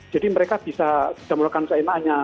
jadi mereka bisa menyebutkan sma nya